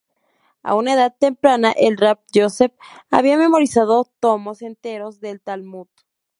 A una edad temprana, el Rab Yosef había memorizado tomos enteros del Talmud.